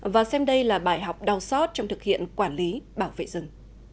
và xem đây là bài học đau sót trong thực hiện quản lý bảo vệ rừng